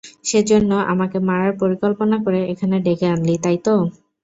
সেজন্য- আমাকে মারার পরিকল্পনা করে এখানে ডেকে আনলি, তাই তো?